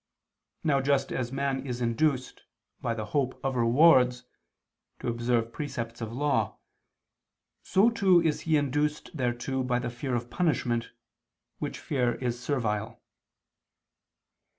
Now just as man is induced, by the hope of rewards, to observe precepts of law, so too is he induced thereto by the fear of punishment, which fear is servile.